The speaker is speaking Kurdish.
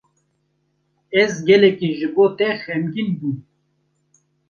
Ez gelekî ji bo te xemgîn bûm.